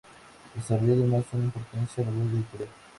Desarrolló además una importante labor editorial.